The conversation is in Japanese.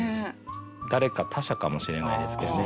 誰か他者かもしれないですけどね。